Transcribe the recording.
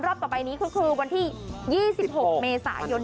ต่อไปนี้ก็คือวันที่๒๖เมษายน